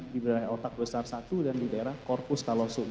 di daerah otak besar satu dan di daerah corpus callosum